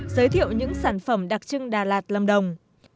giới thiệu những sản phẩm đặc trưng đà lạt lâm đồng